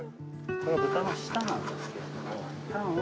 これは豚の舌なんですけれどもタンを。